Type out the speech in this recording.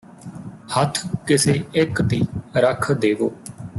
ਹੱਥ ਕਿਸੇ ਇੱਕ ਤੇ ਰੱਖ ਦੇਵੋ